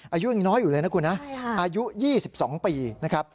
อายุยังน้อยอยู่เลยนะครับคุณฮะอายุ๒๒ปีนะครับใช่ครับ